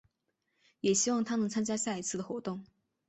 也希望她能参加下一次的活动。